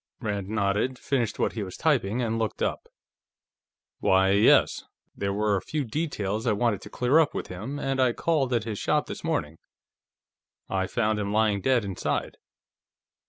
Rand nodded, finished what he was typing, and looked up. "Why, yes. There were a few details I wanted to clear up with him, and I called at his shop this morning. I found him lying dead inside."